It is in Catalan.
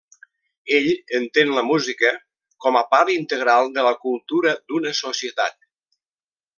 Ell entén la música com a part integral de la cultura d'una societat.